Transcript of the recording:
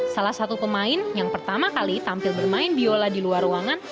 salah satu pemain yang pertama kali tampil bermain biola di luar ruangan